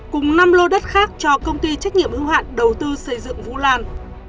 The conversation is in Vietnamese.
cùng năm lô đất khác cho công ty trách nhiệm ưu hạn đầu tư xây dựng vũ lan